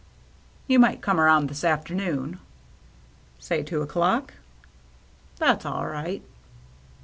" You might come around this afternoon." "Say two o'clock?" " That's all right."